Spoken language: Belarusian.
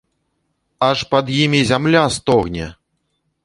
Аж пад імі зямля стогне!